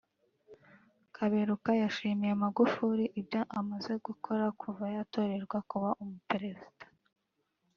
Kaberuka yashimiye Magufuli ibyo amaze gukora kuva yatorerwa kuba Perezida